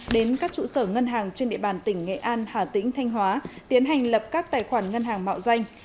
đến các trụ sở ngân hàng trên địa bàn tỉnh nghệ an hà tĩnh thanh hóa tiến hành lập các tài khoản ngân hàng mạo danh